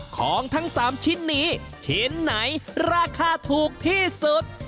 ของทั้ง๓ชิ้นนี้ชิ้นไหนราคาถูกที่สุด